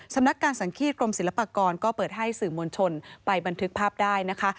สำนักการสังฆีตกรมศิลปากรก็เปิดให้สื่อมวลชนไปบันทึกภาพได้นะคะ